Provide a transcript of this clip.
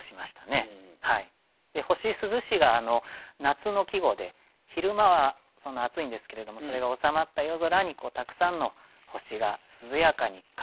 「星涼し」が夏の季語で昼間は暑いんですけれどもそれが収まった夜空にたくさんの星が涼やかに輝いているという季語ですね。